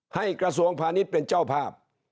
ให้กระสวงพระอาทิตย์เป็นเจ้าภาพ